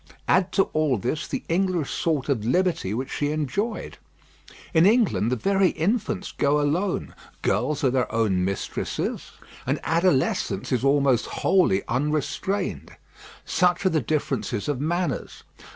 Add to all this the English sort of liberty which she enjoyed. In England the very infants go alone, girls are their own mistresses, and adolescence is almost wholly unrestrained. Such are the differences of manners.